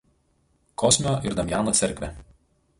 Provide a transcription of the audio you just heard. Kosmio ir Damjano cerkvė.